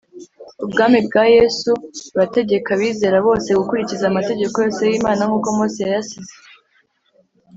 Ubwami bwa Yesu burategeka abizera bose gukurikiza amategeko yose y’Imana nkuko Mose yayasize.